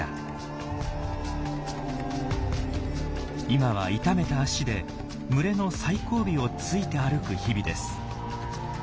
今は痛めた脚で群れの最後尾をついて歩く日々です。